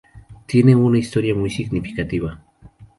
Tiene una historia muy significativa.